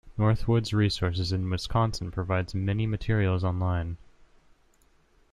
Northwoods Resources in Wisconsin provides many materials online.